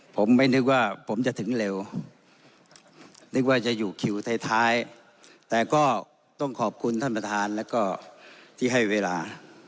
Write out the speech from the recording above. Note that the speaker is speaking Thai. ผมไม่นึกว่าผมจะถึงเร็วนึกว่าจะอยู่คิวท้ายแต่ก็ต้องขอบคุณท่านประธานแล้วก็ที่ให้เวลา